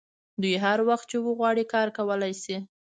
دوی هر وخت چې وغواړي کار کولی شي